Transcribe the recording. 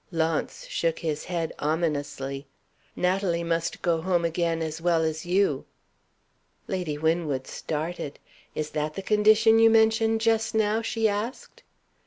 Launce shook his head ominously. "Natalie must go home again as well as you!" Lady Winwood started. "Is that the condition you mentioned just now?" she asked.